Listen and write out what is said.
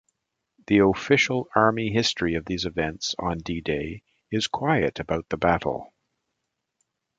The official Army history of these events on D-Day is quiet about the battle.